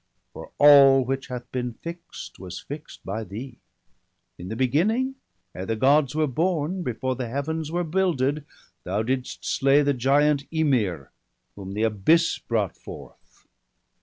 For all which hath been fixt, was fixt by thee. In the beginning, ere the Gods were born, Before the Heavens were builded, thou didst slay The giant Ymir, whom the abyss brought forth.